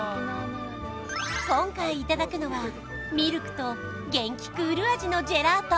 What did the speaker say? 今回いただくのはミルクとゲンキクール味のジェラート